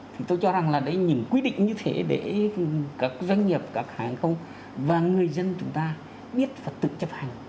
thì tôi cho rằng là những quyết định như thế để các doanh nghiệp các hành công và người dân chúng ta biết và tự chấp hành